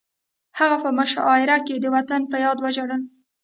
هغه په مشاعره کې د وطن په یاد وژړل